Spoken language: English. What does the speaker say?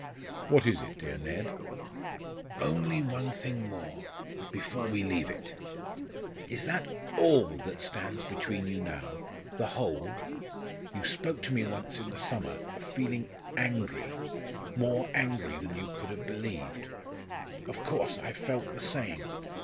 "What is it, dear Ned?" "Only one thing more, before we leave it. Is that all that stands between you now the whole? You spoke to me once in the summer of feeling angry, more angry than you could have believed. Of course, I felt the same.